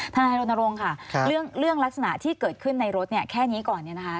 ทนายรณรงค์ค่ะเรื่องลักษณะที่เกิดขึ้นในรถเนี่ยแค่นี้ก่อนเนี่ยนะคะ